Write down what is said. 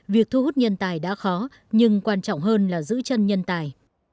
việc thu hút nhân tài đã khó nhưng quan trọng hơn là giữ chân nhân tài